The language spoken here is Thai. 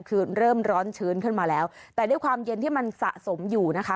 คือเริ่มร้อนชื้นขึ้นมาแล้วแต่ด้วยความเย็นที่มันสะสมอยู่นะคะ